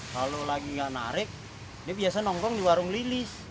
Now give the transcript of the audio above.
kalau lagi nggak narik dia biasa nongkrong di warung lilis